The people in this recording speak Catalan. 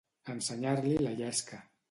Ensenyar-li la llesca.